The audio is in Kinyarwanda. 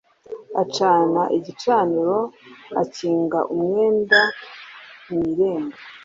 Acana igicaniro, akinga umwenda mu irembo